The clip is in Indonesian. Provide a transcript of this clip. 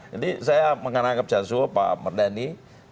jadi saya menganggap pak merdani